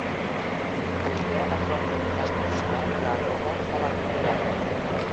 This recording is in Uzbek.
Bunga atrofdagi tashqi kuchlar, yagolar xalaqit beradi.